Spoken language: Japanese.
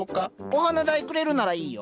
お花代くれるならいいよ。